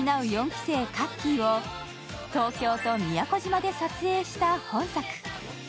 ４期生・かっきーを東京と宮古島で撮影した本作。